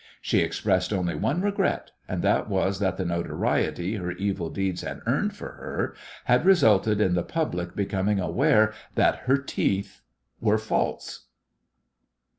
She expressed only one regret, and that was that the notoriety her evil deeds had earned for her had resulted in the public becoming aware that her teeth were false!